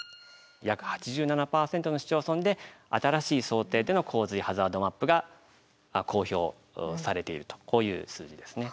約８７％の市町村で新しい想定での洪水ハザードマップが公表されているとこういう数字ですね。